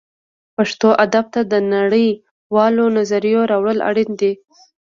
پښتو ادب ته د نړۍ والو نظریو راوړل اړین دي